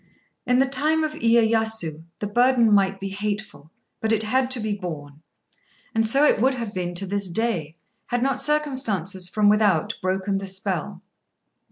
In the time of Iyéyasu the burden might be hateful, but it had to be borne; and so it would have been to this day, had not circumstances from without broken the spell.